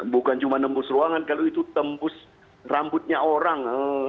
bukan cuma nembus ruangan kalau itu tembus rambutnya orang